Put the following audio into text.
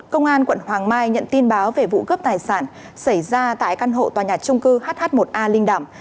công an quận hoàng mai nhận tin báo về vụ cướp tài sản xảy ra tại căn hộ tòa nhà trung cư hh một a linh đàm